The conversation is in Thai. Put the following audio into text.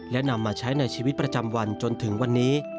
และนำมาใช้ในชีวิตประจำวันจนถึงวันนี้